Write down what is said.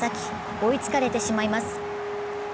追いつかれてしまいます。